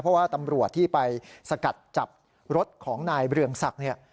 เพราะว่าตำรวจที่ไปสกัดจับรถของนายเรืองศักดิ์เนี่ย